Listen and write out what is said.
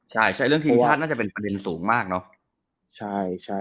ใช่ใช่เรื่องทีมชาติน่าจะเป็นประเด็นสูงมากเนอะ